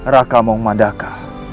raka mong madaka